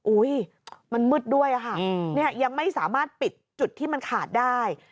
อุ้ยมันมืดด้วยค่ะเนี่ยยังไม่สามารถปิดจุดที่มันขาดได้